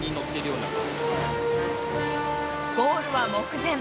ゴールは目前。